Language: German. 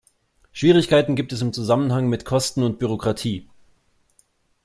Schwierigkeiten gibt es im Zusammenhang mit Kosten und Bürokratie.